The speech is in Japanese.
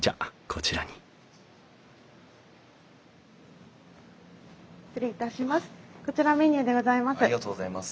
こちらメニューでございます。